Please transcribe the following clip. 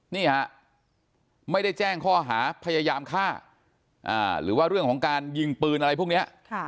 นี่ฮะไม่ได้แจ้งข้อหาพยายามฆ่าหรือว่าเรื่องของการยิงปืนอะไรพวกนี้